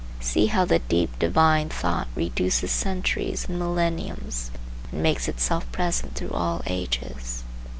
See how the deep divine thought reduces centuries and millenniums and makes itself present through all ages.